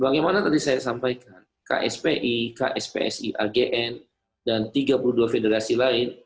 bagaimana tadi saya sampaikan kspi kspsi agn dan tiga puluh dua federasi lain